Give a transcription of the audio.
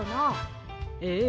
ええ。